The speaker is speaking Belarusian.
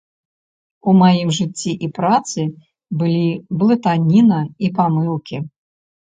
У маім жыцці і працы былі блытаніна і памылкі.